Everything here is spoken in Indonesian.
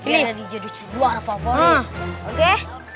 biar dia jadi kedua favorit oke